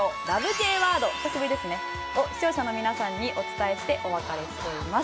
Ｊワード久しぶりですね。を視聴者の皆さんにお伝えしてお別れしています。